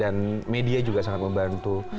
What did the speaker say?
dan media juga sangat membantu